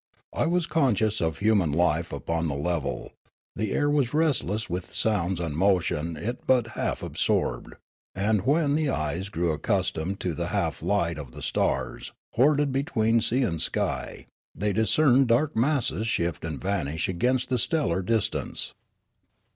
I was conscious of human life upon the level ; the air was restless with sounds and motion it but half absorbed ; and, when the eyes grew accustomed to the half light of the stars hoarded between sea and sky, they discerned dark masses shift and vanish against the stellar distance.